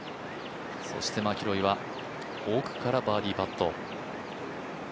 そしてマキロイは奥からバーディーパット。